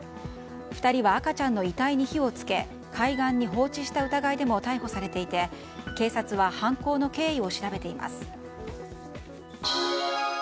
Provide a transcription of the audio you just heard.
２人は赤ちゃんの遺体に火を付け海岸に放置した疑いでも逮捕されていて警察は犯行の経緯を調べています。